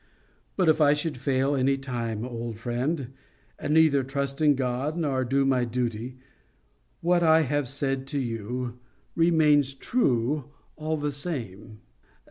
But if I should fail any time, old friend, and neither trust in God nor do my duty, what I have said to you remains true all the same."